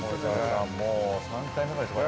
◆もう３回目ぐらいですか。